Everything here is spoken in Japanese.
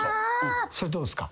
それどうっすか？